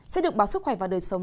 sẽ được báo sức khỏe và đời sống